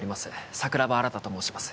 桜庭新と申します